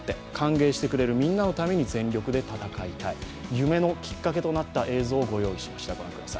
夢のきっかけとなった映像をご用意しました。